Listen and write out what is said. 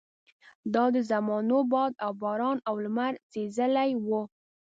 دا د زمانو باد او باران او لمر سېزلي وو.